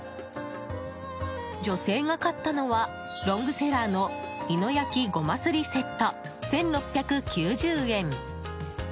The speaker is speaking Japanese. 女性が買ったのはロングセラーの美濃焼ごますりセット１６９０円。